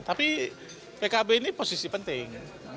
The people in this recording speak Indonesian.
tapi pkb ini posisi penting